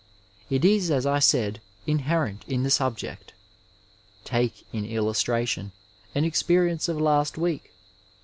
It is, as I said, inherent in the subject. Take in illustration an experience of last week.